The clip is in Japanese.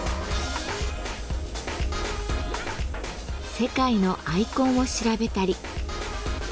世界のアイコンを調べたり。